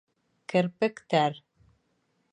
Керпектәр